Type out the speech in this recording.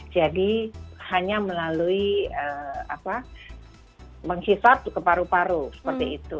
jadi hanya melalui menghisap ke paru paru seperti itu